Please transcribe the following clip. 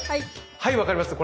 はい分かりますか？